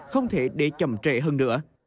không thể để chậm trệ hơn nữa